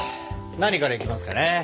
何からいきますかね？